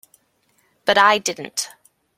But I didn't.